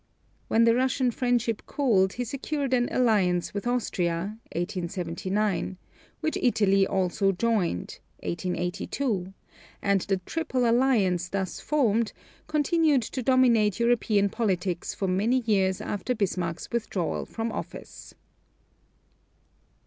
When the Russian friendship cooled, he secured an alliance with Austria (1879), which Italy also joined (1882); and the "triple alliance" thus formed continued to dominate European politics for many years after Bismarck's withdrawal from office.